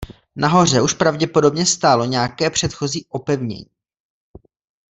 Na hoře už pravděpodobně stálo nějaké předchozí opevnění.